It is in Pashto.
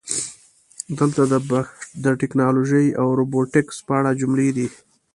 دلته د "ټکنالوژي او روبوټیکس" په اړه جملې دي: